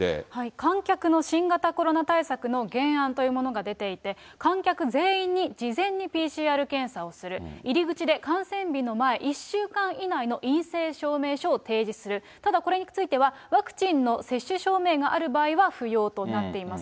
観客の新型コロナ対策の原案というものが出ていて、観客全員に事前にＰＣＲ検査をする、入り口で観戦日の前、１週間以内の陰性証明書を提示する、ただ、これについては、ワクチンの接種証明がある場合は不要となっています。